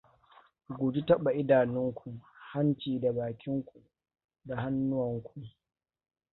Guji taɓa idanunku, hanci da bakinku da hannuwan ku.